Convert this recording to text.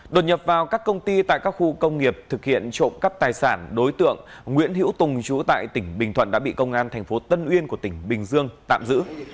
đột nhập vào các công ty tại các khu công nghiệp thực hiện trộm cắp tài sản đối tượng nguyễn hữu tùng trú tại tỉnh bình thuận đã bị công an thành phố tân uyên của tỉnh bình dương tạm giữ